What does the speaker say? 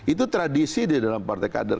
itu tradisi di dalam partai kader